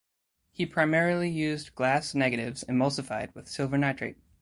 He primarily used glass negatives emulsified with silver nitrate.